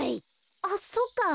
あっそっか。